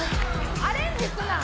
アレンジすな。